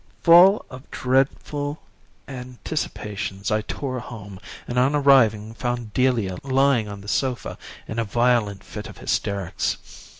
Full of dreadful anticipations, I tore home, and on arriving found Delia lying on the sofa in a violent fit of hysterics.